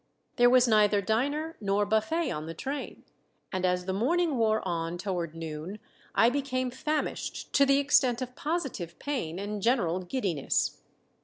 There was neither diner nor buffet on the train, and as the morning wore on toward noon I became famished to the extent of positive pain and general giddiness.